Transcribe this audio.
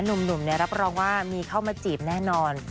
หนุ่มรับรองว่ามีเข้ามาจีบแน่นอน